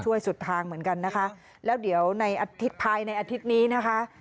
สุดทางเหมือนกันนะคะแล้วเดี๋ยวในอาทิตย์ภายในอาทิตย์นี้นะคะ